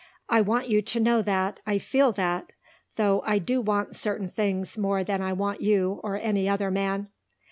I want you to know that I feel that, though I do want certain things more than I want you or any other man."